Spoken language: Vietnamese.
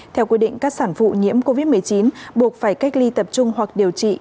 theo quy định các sản phụ nhiễm covid một mươi chín buộc phải cách ly tập trung hoặc điều trị